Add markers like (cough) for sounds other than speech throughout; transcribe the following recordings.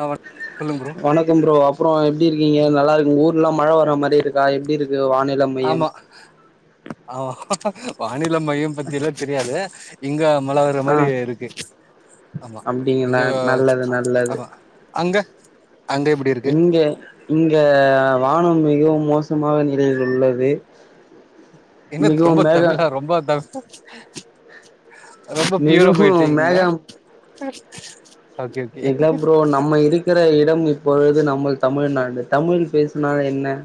அ வணக் சொல்லுங் ப்ரோ வணக்கம் ப்ரோ அப்றோ எப்டிருக்கீங்க நல்லாருக் ஒங்கூர்லா மழ வர்ற மாரி இருக்கா எப்டிருக்கு வானில ஆமா ஆமா வானில மையம் பத்திலா தெரியாது இங்க மழ வர்ற ஆ மாரி இருக்கு ஆமா அப்டிங்களா இங்க நல்லது நல்லது ஆமா அங்க அங்க எப்டி இருக்கு இங்க இங்க வானம் மிகவும் மோசமாக நிலையில் உள்ளது என்ன மிகவும் த்ரொம்ப மேக தமிழா ரொம்ப த ரொம்ப ப்யூரா மிகவும் போயிட்றிக்கிங்க மேகம் இல்ல ப்ரோ நம்ம இருக்கிற இடம் இப்பொழுது நம்மள் தமிழ்நாடு தமிழ் பேசினால் என்ன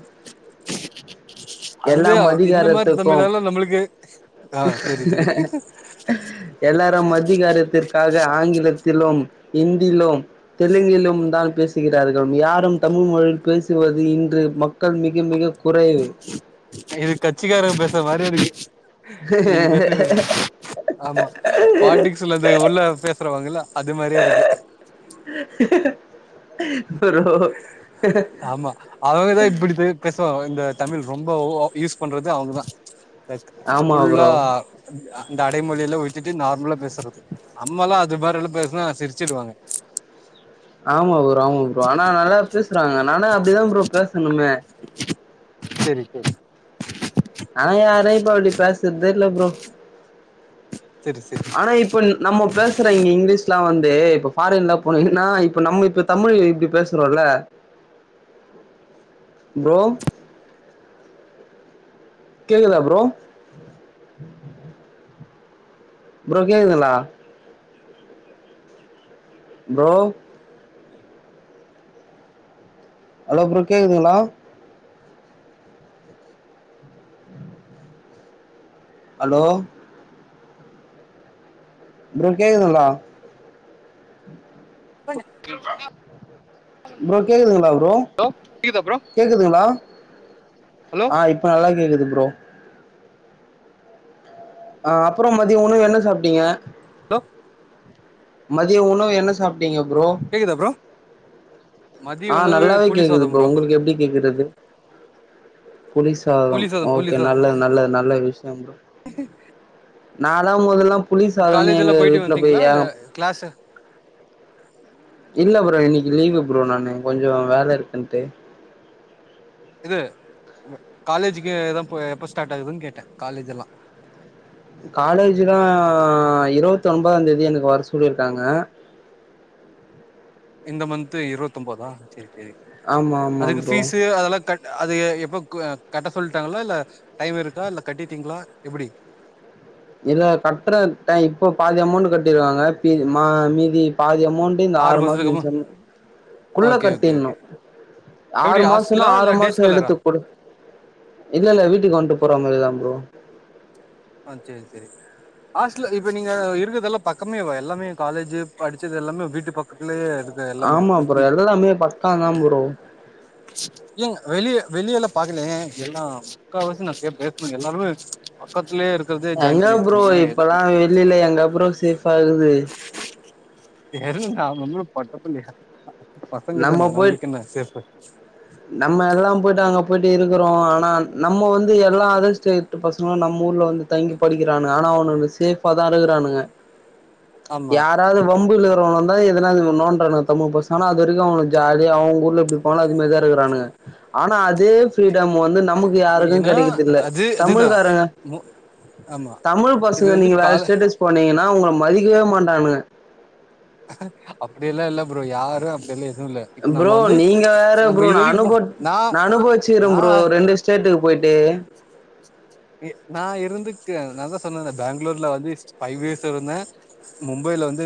அது எல்லாம் இந்த மாரி அதிகாரத்துக்கும் தமிழல்லா நம்புளுக்கு அ செரி செரி எல்லாரும் அதிகாரத்திற்காக ஆங்கிலத்திலும் இந்திலு தெலுங்கிலும் தான் பேசுகிறார்கள் யாரும் தமிழ் மொழியில் பேசுவது இன்று மக் க்கள் மிக மிக குறைவு என்க்கு கச்சி கார பேச மாறி இருக்கு நீங்க பேசுறது ஆமா பால்டிக் ஸிலது உள்ள பேசுறவாங்கல்ல அது மாரியேருக்கு பொரோ ஆமா அவுங்கதா இப்பிடி பே பேசுவாங்க இந்த தமிழ் ரொம்ப ஒ யூஸ் பண்றது அவுங்கதா மேக்கு ஆமா ஃபுல்லா ப்ரோ அந்த அடைமொழி லா விட்டுட்டு நார்மலா பேசுறது நம்ம லா அது மாரி ல்லா பேசுனா சிரிச்சிடுவாங்க ஆமா ப்ரோ ஆமா ப்ரோ ஆனா நல்லா பேசுறாங்க நானா அப்டிதா ப்ரோ பேசணுமே சேரி சேரி ஆனா யாரு இப்ப அப்டி பேசுறதேல்ல ப்ரோ செரி செரி ஆனா இப் நம்ம பேசுற இங்க இங்கிலீஷ்லா வந்து இப்ப பாரின்ல போனீங்கன்னா இப்ப நம்ம இப்ப தமிழ் இப்டி பேசுறோல்ல ப்ரோ கேக்குதா ப்ரோ ப்ரோ கேக்குதுல்லா ப்ரோ ஹலோ ப்ரோ கேக்குதுங்களா ஹலோ ப்ரோ கேக்குதுங்கலா ஹலோ ப்ரோ கேக்குதுங்களா ப்ரோ கேக்குதா ப்ரோ கேக்குதுங்களா ஹலோ ஆ இப் ப்ப நல்லா கேக்குது ப்ரோ அ அப்புறோ மதிய உனவு என்ன சாப்ட்டீங்க லோ மதிய உணவு என்ன சாப்டீங்க ப்ரோ கேக்குதா ப்ரோ மதிய ஆ உணவு நல்லாவே புளி கேக்குது சாதம் ப்ரோ உங்களுக்கு எப்டி கேக்குறது புளி புளிசாதம் சாதம் புளி ஓகே சாதம் நல்லது நல்லது நல்ல விஷயம் தா நாலா முதல்லா புளி சாதன் காலேஜ் எங்க எல்லா போயிட்டு வீட்டுல போய் வந்தீங்களா இல்ல ஏங் கிளாஸ் இல்ல ப்ரோ இன்னைக்கி லீவு் ப்ரோ நானு கொஞ்சோ வேல இருக்குன்ட்டு இது காலேஜுக்கு எதோ எப்ப ஸ்டார்ட் ஆகுதுன்னு கேட்டே காலேஜ் எல்லா காலேஜு தா இருவத்தி ஒம்பதா தேதி எனக்கு வர சொல்லி இருக்காங்க இந்த மந்த்து இருவத்து ஒம்பதா செரி செரி ஆமா ஆமா அதுக்கு ப்ரோ ஃபீஸு அதெல்லா கட் அது எப்போ கட்ட சொல்லிட்டாங்களா இல்ல டைம் இருக்கா இல்ல கட்டிட்டீங்களா எப்டி இல்ல கட்ற ட்டை இப்போ பாதி அமௌண்ட் கட்டிருவாங்க மீதி பாதி அமௌண்ட் டி இந்த ஆறு ஆறுமாச மாசத்துக்கு அப்றோ கழிச்சோனே குள்ள ஓகே ஓகே கட்டின்னு ஓகே எப்டி ஆறு மாசன்னா ஹாஸ்டலா ஆறு இல்ல டேஸ் மாசோ ஸ்காலரா எடுத்துக் கொடு இல்ல இல்ல வீட்டுக்கு வன்ட்டு போற மாரிதா ப்ரோ ஆ சேரி சேரி ஹாஸ்டல இப்ப நீங்க இருக்கதெல்லா பக்கமேவா எல்லாமே காலேஜி படிச்சது எல்லாமே வீட்டு பக்கத்துலே ஆமா ப்ரோ எல்லாமே பக்கோ தா ப்ரோ (unintelligible) ஏங்க வெளிய வெளியெல்லா பாக்கலிங் எல்லா முக்கால் வாசி நா பேசேன் எல்லாருமே பக்கத் திலே இருக் எங்க ப்ரோ இப்பெல்லா வெளியில எங்க ப்ரோ சேஃப் ஆ இருக்குது தெவுங்க அதுக்கென்ன பொட்ட புள்ளயா பசங்க நம்ம தான போய் நம்மளுக்கு என்ன சேஃப்பு நம்ம எல்லா போயிட்டு அங்க போயிட்டு இருக்கிறோ‌ ஆனா நம்ம வந்து எல்லா அதர் ஸ்டே ட்டு பசங்களா நம்ம ஊர்ல வந்து தங்கி படிக்கிறானுங்க ஆனா அவுனுங்க சேஃபா தா இருக்கிறானுங்க ஆமா யாராவுது வம்பு இழுக்கிறவன் எதனாவுது நோன்றானுங்க தமிழ் பசங் ஆனா அது வரைக்கு அவுனுங்க ஜாலியா அவுங்க ஊர்ல எப்டி இருப்பானோ அதுமேரி தா இருக்குறானுங்க ஆனா அதே ஃபிரீடம் வந்து நம் நமக்கு யாருக்கு ஏன்னா கெடைக்குறதில்ல அது தமிழ் அதுதான் காரங்க மு ஆமா தமிழ் இது பசங்க வந்து நீங்க வேற கால ஸ்டேட்டஸ் போனீங்கன்னா உங்கள மதிக்கவே மாட்டானுங்க அப்டியெல்லா இல்ல ப்ரோ யாரு அப்டியெல்லா எதுவு இல்ல இப்ப நம்ம ப்ரோ வந்து நீங்க வேற நம்ம ப்ரோ இது நா வரைக்கு போ அனுப நா அனுபவிச்சிற்ரே நா ப்ரோ ரெண்டுஸ் சேட்டுக்கு போய்ட்டு இ நா இருந்ருக்க நாதா சொன்னேலா பெங்களூர்ல வந்து ஃபைவ் இயர்ஸ் இருந்தே மும்பைல வந்து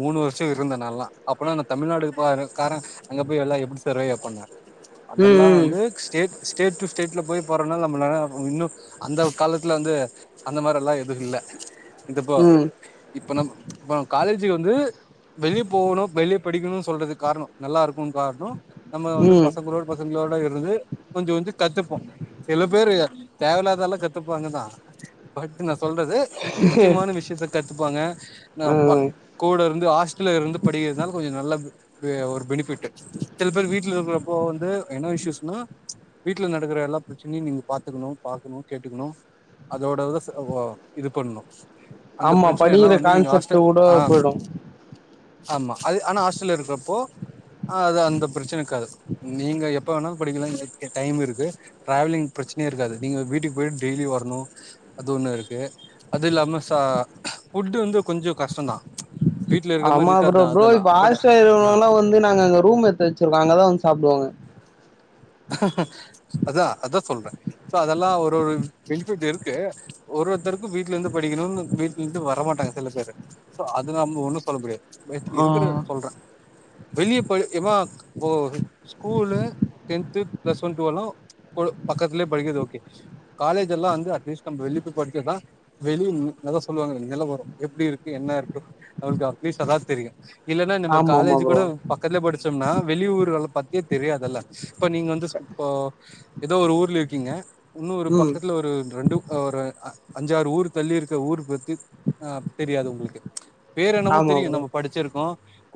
மூணு வருஷோ இருந்த நாலா அப்பன்னா நா தமிழ்நாடுபாரு காரே அங்க போய் எல்லா எப்டி சர்வேய பண்ண அதெல்லா ம் வந்து ஸ்டேட் ஸ்டேட் டூ ஸ்டேட்ல போய் போறதுனால நம்மள இன்னு அந்த காலத்துல வந்து அந்த மாரி எல்லா எதுவு இல்ல துபாய் ம் இப்ப நம் இப்ப காலேஜி வந்து வெளிய போணு வெளி படிக்குணு சொல்றதுக்கு காரணோ நல்லா இருக்கு காரணோ நம்ம வந்து ம் பசங்களோடு பசங்களோட இருந்து கொஞ்சோ கொஞ்சோ கத்துப்போ சில பேர் தேவல்லாததால கத்துப்பாங்கதா பட் நா சொல்றது முக்கியமான விஷியத்த கத்துப்பாங்க நா பக் ம் கூட இருந்து ஹாஸ்டல்ல இருந்து படிக்கிறதுனால கொஞ்சோ நல்லா ஒரு பெனிஃபிட்டு் சில பேர் வீட்ல இருக்கிறப்போ வந்து என்ன இஸ்யூஸ்ன்னா வீட்ல நடக்குற எல்லா பிரச்சனையு நீங்க பாத்துக்குணு பாக்கணு கேட்டுக்குணு அதோட இத வ இது பண்ணு அந்த ஆமா பிரச்சனை எல்லா படிகிற வந்து நீங்க கான்செப்ட் ஹாஸ்டல் வுட ஆ போயிடு ஆமா அது ஆனா ஹாஸ்டல்ல இருக்குறப்போ அது அந்த பிரச்சனைக்காது நீங்க எப் எப்ப வேணா படிக்கிலா இங்க டைம் இருக்கு டிராவலிங் பிரச்சனையே இருக்காது நீங்க வீட்டுக்கு போயிட்டு டெய்லி வரணு அது ஒண்ணு இருக்கு அது இல்லாம சா ஃபுட்டு் வந்து கொஞ்சோ கஷ்டந்தா வீட்ல இருக்க மாரி ஆமா ப்ரோ இருக்காதுதா ப்ரோ அதெல்லா இப்ப பட் ஹாஸ்டலு ஆ வந்தா வந்து நாங்க அங்க ரூம் எத் வச்சிருகாங்க அங்கதா வந்து சாப்டுவாங்க அதா அதா சொல்ற சோ அதெல்லா ஒரு ஒரு பெனிஃபிட் இருக்கு ஒரு ஒருத்தருக்கு வீட்ல இருந்து படிக்கணுனு வீட்ல இருந்து வரமாட்டாங்க சில பேரு சோ அது நம்ம ஒன்னு சொல்ல முடியாது பட் ஆ இருக்குறத சொல்ற வெளிய போய் ஏமா இக் school tenth plus one twelve பக்கத்துலயே படிக்கிறது ஓகே காலேஜ்ல்லா அங்க அட்லிஸ்ட் நம்ம வெளில போய் படிச்சாதா வெளிய நா சொல்லுவாங்க நிலவரோ எப்டி இருக்கு என்ன இருக்கு அவளுக்கு அட்லீஸ் அதா தெரியு இல்லன்னா நம்ம ஆமா ஆமா காலேஜ் ப்ரோ கூட பக்கத்துலே படிச்சோம்னா வெளிய ஊர்கள பத்தியே தெரியாதுல்ல இப்ப நீங்க வந்து இப்போ எதோ ஒரு ஊர்ல இருக்கீங்க இன்னு ஒரு ம் பக்கத்துல ஒரு ரெண்டு ஒரு அஞ்சாறு ஊர் தள்ளி இருக்க ஊர் பத்தி அ தெரியாது உங்களுக்கு பேர் என்னமோ ஆமா தெரியு ப்ரோ நம்ம படிச்சிருக்கோ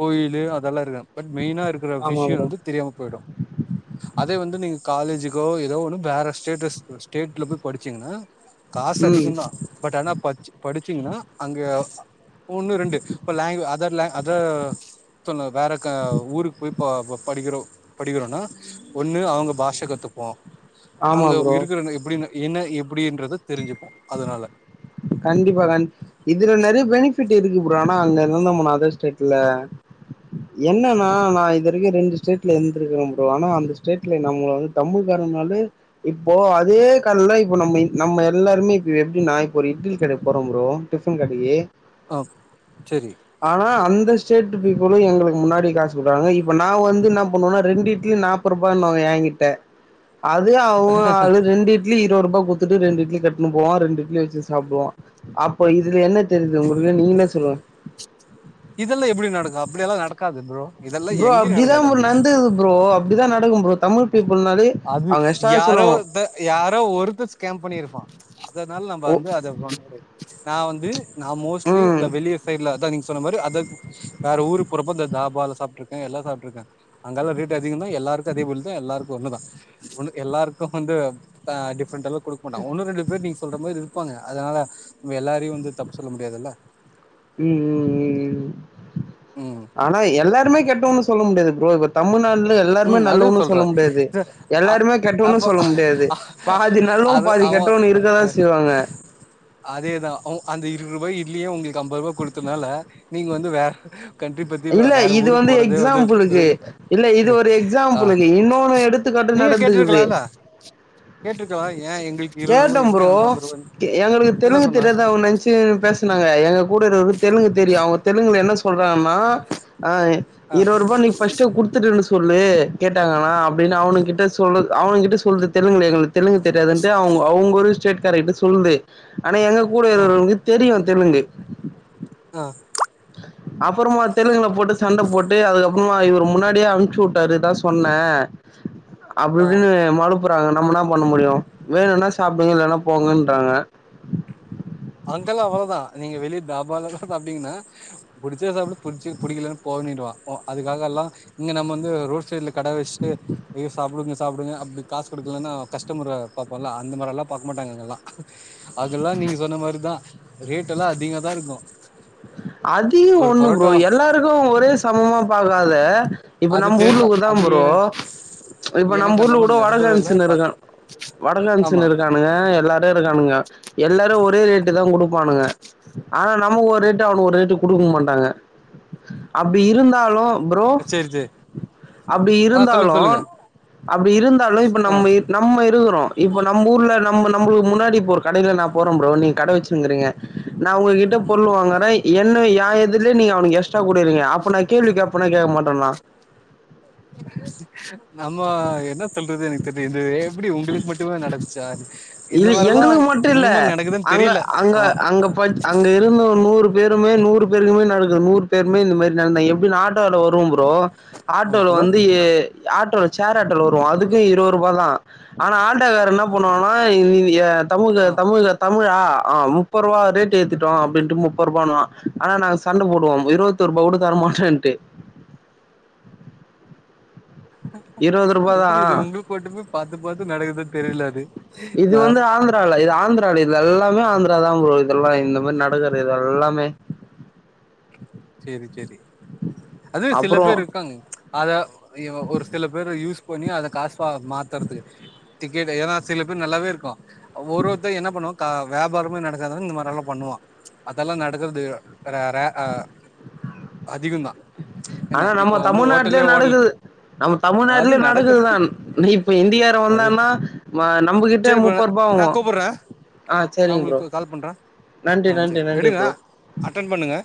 கோயிலு அதெல்லா இருக்கு பட் மெயினா இருக்குற ஆமா விஷியோ ப்ரோ வந்து தெரியாம போய்டு அதே வந்து நீங்க காலேஜுக்கோ ஏதோ ஒன்னு வேற ஸ்டேட்டஸ் ஸ்டேட்ல போய் படிச்சீங்கன்னா காசு ம் அதிகந்தா பட் ஆனா படிச் படிச்சீங்ன்னா அங்க ஒண்ணு ரெண்டு இப்ப லாங்க் அதர்ல லா அதர் (unintelligible) வேற ஊருக்கு போய் ப படிக்கிறோ படிக்கிறோனா ஒண்ணு அவங்க பாஷ கத்துப்போ ஆமா அங்க ப்ரோ இருக்குற எப்டின் என்ன எப்டின்றது தெரிஞ்சுப்போ அதனால கண்டிப்பா கண் இதுல நெறைய பெனிஃபிட் இருக்கு ப்ரோ ஆனா அங்க இருந்தோம்னா அதே ஸ்டேட்ல என்னன்னா நா இது வரைக்கு ரெண்டு ஸ்டேட்ல இருந்திருக்க ப்ரோ ஆனா அந்த ஸ்டேட்ல நம்மள வந்து தமிழ் காரனாலே இப்போ அதே கால்ல இப்ப நம்ம நம்ம எல்லாருமே இப்ப எப்டி நாய் ஒரு இட்லி கடக் போறோ ப்ரோ டிஃபன் கடக்கி ஆ செரி ஆனா அந்த ஸ்டேட் பீப்புலோ எங்களுக்கு முன்னாடி காசு குடுக்றாங்க இப்ப நா வந்து என்ன பண்ணுவனா ரெண்டு இட்லி நா ப்பத்ரூபான்னாங்க ஏ கிட்ட அதே அவோ அது ரெண்டு இட்லி இருவ ரூபா குடுத்துட்டு ரெண்டு இட்லி கட்டின்னு போவா ரெண்டு இட்லி வச்சி சாப்டுவா அப்போ இதுல என்ன தெரிது உங்களுக்கே நீங்களே சொல்லுங் டிஃபென்ல எப்டி நடக்கு அப்டிலா நடக்காது ப்ரோ இதெல்லா ப்ரோ எங்கேயு அப்டிதா நடக்காது ஃப்ரோ அப்படி நடந்தது ப்ரோ அப்டிதா நடக்கு ப்ரோ தமிழ் பீப்புள் நாலே அது யாரோ த யாரோ ஒருத்த ஸ்கேம் பண்ணிருப்பா அதனால நம்ம ஓ வந்து அத சொல்ல முடியாது நா வந்து நா மோஸ்ட்லி ம் இந்த வெளிய சைட்லா அதா ஒரு அத வேற ஊருக்கு போறப்ப அந்த தாபால சாப்ட்ருக்கே எல்லா சாப்ட்ருக்க அங்கெல்லா ரேட்டு ரேட்டு அதிகோனா எல்லாருக்கு அதேபோல்தா எல்லாருக்கு ஒண்ணு தா ஒன்னு எல்லாருக்கு வந்து அ டிஃப்ரெண்ட குடுக்க மாட்டா ஒன்னு ரெண்டு பேர் நீங்க சொல்ற மாரி இருப்பாங்க அதனால எல்லாரையு வந்து தப்பு சொல்ல முடியாதுல்ல ம் ம் ம் ம் ம் ஆனா எல்லாருமே கெட்டவங்கனு சொல்ல முடியாது ப்ரோ இ தமிழ்நாடுல எல்லாருமே ம் அது நல்லவங்கனு சொல்ற சொல்ல முடியாது இது அ எல்லாருமே கெட்டவங்கனு அப்போ சொல்ல முடியாது பாதி நல்லுவோ அது பாதி அவ கட்டவோ இருக்கதா செய்வாங்க அதேதா அந்த இருவரூபா இட்லிய உங்களுக்கு ஐம்பது ரூபா குடுத்ததுனால நீங்க வந்து வேற கண்ட்ரி பத்தி பா இல்ல வேற இது ஊருக்கு போறதே வந்து ஒரு எக்ஸாம்பிளுக்கு இல்ல இது ஒரு ஆ எக்ஸாம்பிளுக்கு இன்னொன்னு எடுத்துக்காட்டு நீங்க நடந்துக்குது கேட்டுருக்கலாலே கேட்டுருக்கலா ஏ எங்களுக்கு இருவரூபா கேட்டே இட்லி ப்ரோ அவனுக்கு ஐம்பது ரூபானு எங்களுக்கு என்ன தெலுங்கு சொன்னா தெரியாது (unintelligible) பேசுனாங்க எங்க கூட இருக்கரவுருக்கு தெலுங்கு தெரியு அவுங்க தெலுங்குல என்ன சொல்றாங்கன்னா அ ஆ இருவதுரூபா நீ ஃபஸ்ட் குடுத்துட்டு டன்னு சொல்லு கேட்டாங்கன்னா அப்டின்னு அவனு கிட்ட சொல்லு அவனு கிட்ட சொல்லுது தெலுங்குல எங்களுக்கு தெலுங்கு தெரியாதுன்ட்டு அவுங்க அவுங்களே ஸ்டேட் காரகிட்ட சொல்லு ஆனா எங்க கூட ஆ இருக்குரங்க்கு தெரியு தெலுங்கு அ அப்பறமா தெலுங்குல போட்டு சண்ட போட்டு அதுக்கப்புறமா இவரு முன்னாடியே அனுப்ச்சி விட்டாரு தா சொன்னே அப்டி ஆ இப்டின்னு மழுப்புறாங்க நம்ம என்னா பண்ண முடியு வேணும்னா சாப்டுங்க இல்லன்னா போங்கன்றாங்க அங்கலா அவ்ளோதா நீங்க வெளிய தாபாலா சாப்டிங்கன்னா புடிச்சா சாப்டு புடிச்சி புடிக்கலன்னா போன அப்டின்வா அதுக்காக எல்லா இங்க நம்ம வந்து ரோட் சைடு்ல கட வச்சிட்டு ஐயோ சாப்டுங்க சாப்டுங்க அப்டி காசு குடுக்கலன்னா கஸ்டமர பாபோம்ல அந்த மாரி எல்லா பாக்க மாட்டாங்க அங்க எல்லா அதெல்லா நீங்க சொன்ன மாரிதா ரேட் எல்லா அதிக தா இருக்கோ அதி ஒண்ணு ப்ரோ எல்லாருக்கோ ஒரே சமமா பாக்காத இப்ப அது நம்ம ஊர்ல தெர்ல கூதா அது ப்ரோ எனக் இப்ப நம்ம எனக்கு அந்த ஊர்ல கூட மாரி நடந்தது வடகன்ஸ் இல்ல பத் இருக்கா வடகன்ஸ் ஆமா இருக்க ங்க எல்லாரோ இருக்கானுங்க எல்லாரோ ஒரே ரேட்டு தா குடுப்பானுங்க ஆனா நமக்கு ஒரு ஸ்டிக்டா அவனு ஒரு ரேட்டு குடுக்க மாட்டாங்க அப்டி இருந்தாலு ப்ரோ சேரி சேரி அப்டி ஆ சொல்லுங்க இருந்தாலு சொல்லுங்க அப்டி இருந்தாலு இப்ப ஆ நம்ம இரு நம்ம இருறோ இப்போ நம்பூர்ல நம்ம நம்புளுகு முன்னாடி இப்போ ஒரு கடைல நாப் போறம் ப்ரோ நீங் கட வெச்சினுங்றீங்க நா உங்ககிட்ட பொருள் வாங்க வெய் என்ன ஏ எதுர்லே நீங்க அவனுகு எஸ்ட்ரா குடுகுறிங்க அப்ப நாக் கேள்வி கேப்பனா கேக மாட்டனா நம்மோ என்ன சொல்றது எனக்கு தெரிது எப்டி உங்களுக்கு மட்டுமே நடச்சா அது இ எங்குளுகு மட்டு இல்ல அங்க அங்க ஆ அங்க பச் அங்க இருந்த ஒரு நூறு பேருமே நூறு பேருக்குமே நடக்குது நூறு பேருமே இந்த மாரி நடந்த எப்டி நா ஆட்டோல வருவ ப்ரோ ஆ ஆட்டோல ஹலோ வந்து ஏ ஆட்டோல சேர் ஆட்டோல வருவோ அதுக்கு இருபது ரூபா தா ஆனா ஆட்டோக்காரர் என்ன பண்ணுவ அ இன்ய தமிழ்க ஆ தமிழ்க தமிழ் உ ஆ ஆ முப்பேரூபா ரேட் ஏத்துட்டோம் அப்பிடின்டு முப்பது ரூப ஆனா நாங்க சண்டை போடுவோ இருப பது ரூபா கூட தர மாட்டோன்ட்டு ரூ. எப்டி தான். இது உங்களுக்கு மட்டுமே பாத்து பாத்து நடக்குது தெரியலது நா ஆ இது ஆந்திரா இது எல்லாமே ஆந்திர தா போ இதெல்லா இந்த மாரி நடக்கிர இது எல்லாமே செரி செரி அது சில அப்புறம் பேர் இருக்காங்க அத ஒரு சில பேரு யூஸ் பண்ணி அத காச மாத்துறதுக்கு கே ஏத சில பேர் நல்லாவே இருக்கு ஒருவொருத்தர் என்ன பண்ணுவாங் க வியாபாரமே நடக்கது இந்த மாரி எல்லா பண்ணுவான் அதெல்லா நடக்கிறது ரே ரே ஆ அதிகதா ஆனா நம்ம தமிழ்நாட்டுலயே ஹோட்டல் நடக்குது நம்ம அது தமிழ்நாட்டுலயே நடக்குது நடக்குதுதா இப்ப இந்திகார அது வந்தன்னா நம்மகிட்ட முப்பது ரூபா வாங்குவா குப்புறே நா உங்களுக்கு கால் பண்ணுறேன் நன்றி ஆ நன்றி சேரி நன்றி எடுங்க ப்ரோ அட்டன் பண்ணுங்க